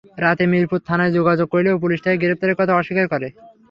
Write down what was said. রাতে মিরপুর থানায় যোগাযোগ করলেও পুলিশ তাঁকে গ্রেপ্তারের কথা অস্বীকার করে।